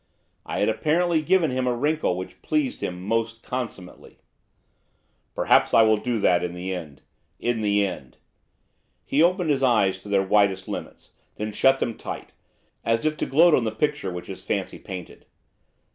I had apparently given him a wrinkle which pleased him most consummately. 'Perhaps I will do that in the end, in the end!' He opened his eyes to their widest limits, then shut them tight, as if to gloat on the picture which his fancy painted.